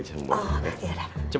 cepat semua pak ustadz